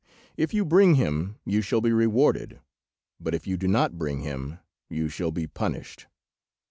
If you bring him you shall be rewarded, but if you do not bring him you shall be punished."